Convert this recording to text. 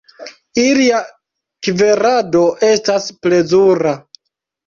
Ilia kverado estas plezura.